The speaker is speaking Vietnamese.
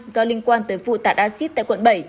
do liên quan tới vụ tạt axit tại quận bảy